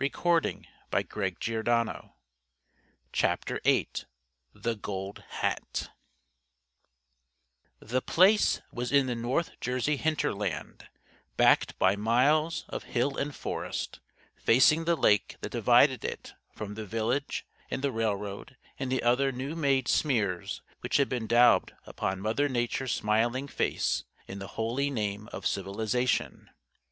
And will you take Lad with you?" CHAPTER VIII THE GOLD HAT The Place was in the North Jersey hinterland, backed by miles of hill and forest, facing the lake that divided it from the village and the railroad and the other new made smears which had been daubed upon Mother Nature's smiling face in the holy name of Civilization.